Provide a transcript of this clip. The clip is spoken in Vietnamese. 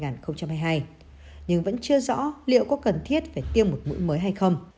nhưng vẫn chưa rõ liệu có cần thiết phải tiêm một mũi mới hay không